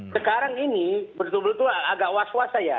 sekarang ini betul betul agak was wasa ya